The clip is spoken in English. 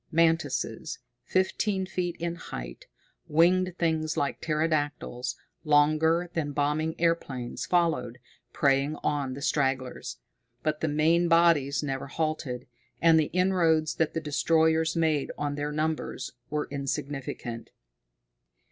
Mantises, fifteen feet in height, winged things like pterodactyls, longer than bombing airplanes, followed, preying on the stragglers. But the main bodies never halted, and the inroads that the destroyers made on their numbers were insignificant.